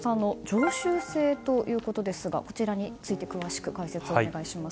常習性ということですがこちらについて詳しく解説をお願いします。